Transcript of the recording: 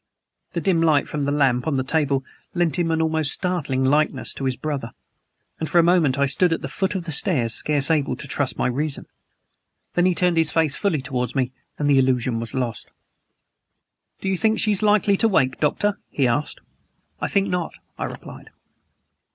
The dim light from the lamp on the table lent him an almost startling likeness to his brother; and for a moment I stood at the foot of the stairs scarce able to trust my reason. Then he turned his face fully towards me, and the illusion was lost. "Do you think she is likely to wake, Doctor?" he asked. "I think not," I replied.